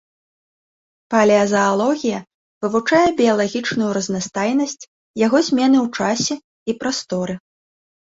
Палеазаалогія вывучае біялагічную разнастайнасць, яго змены ў часе і прасторы.